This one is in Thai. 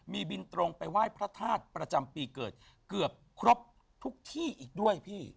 มีบินตรงไปไหว้พระธาตุประจำปีเกิดเกือบครบทุกที่อีกด้วยพี่